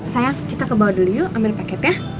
sayang kita ke bawah dulu yuk ambil paket ya